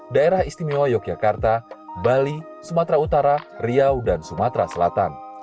daerah istimewa yogyakarta bali sumatera utara riau dan sumatera selatan